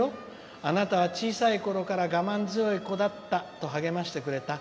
あなたは小さいころから我慢強い子だったと励ましてくれた。